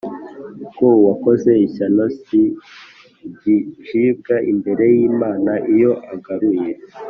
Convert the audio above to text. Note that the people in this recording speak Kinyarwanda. ko uwakoze ishyano si igicibwa imbere y’imana iyo agaruye